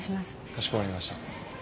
かしこまりました。